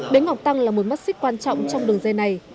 bến ngọc tăng là một mắt xích quan trọng trong đường dây này